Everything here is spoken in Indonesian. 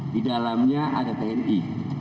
di dalamnya ada tni